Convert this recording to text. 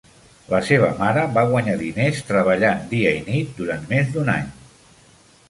La seva mare va guanyar diners treballant dia i nit durant més d'un any